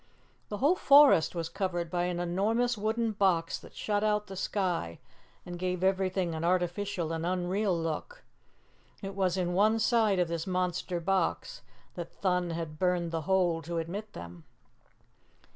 The whole forest was covered by an enormous wooden box that shut out the sky and gave everything an artificial and unreal look. It was in one side of this monster box that Thun had burned the hole to admit them.